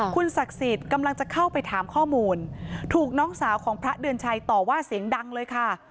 คุณศักดิ์สิทธิ์กำลังจะเข้าไปถามข้อมูลถูกน้องสาวของพระเดือนชัยต่อว่าเสียงดังเลยค่ะ